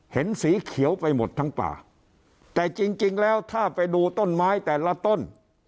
เห็นสีเขียวไปหมดทั้งป่าแต่จริงจริงแล้วถ้าไปดูต้นไม้แต่ละต้น